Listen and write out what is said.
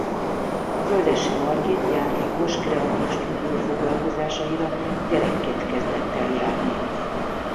Földessy Margit játékos kreatív stúdió foglalkozásaira gyerekként kezdett el járni.